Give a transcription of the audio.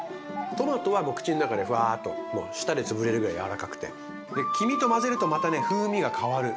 トマトは口の中でふわっと舌でつぶれるぐらい柔らかくて黄身と混ぜるとまたね風味が変わる。